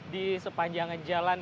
di sepanjang jalan